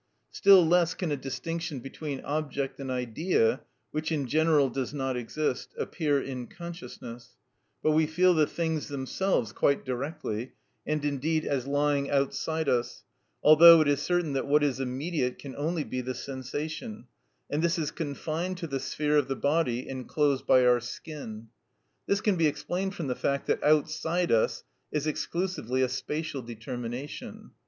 Still less can a distinction between object and idea, which in general does not exist, appear in consciousness; but we feel the things themselves quite directly, and indeed as lying outside us, although it is certain that what is immediate can only be the sensation, and this is confined to the sphere of the body enclosed by our skin. This can be explained from the fact that outside us is exclusively a spatial determination.